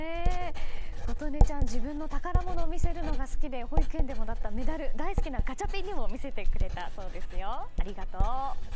琴羽ちゃんは自分の宝物を見せるのが好きで保育園でもらったメダルを大好きなガチャピンにも見せてくれたそうですよ。